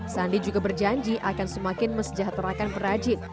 sandi juga berjanji akan semakin mesejahterakan perajin